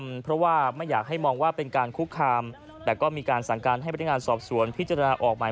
เพราะว่าไม่อยากให้มองว่าเป็นการคุกคามแต่ก็มีการสั่งการให้พนักงานสอบสวนพิจารณาออกหมาย